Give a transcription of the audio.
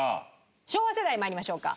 昭和世代参りましょうか。